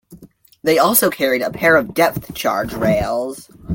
They also carried a pair of depth charge rails.